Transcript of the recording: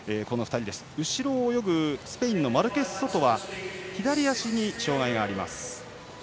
後ろを泳ぐスペインのマルケスソトは左足に障がいがあります。